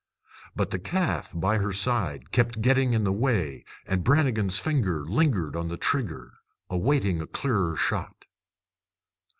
But the calf by her side kept getting in the way, and Brannigan's finger lingered on the trigger, awaiting a clearer shot.